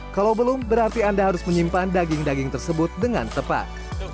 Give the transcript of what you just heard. kalau belum berarti anda harus menyimpan daging daging tersebut dengan tepat